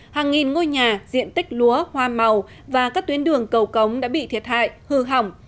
hàng nghìn ngôi nhà diện tích lúa hoa màu và các tuyến đường cầu cống đã bị thiệt hại hư hỏng